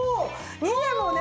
２でもね。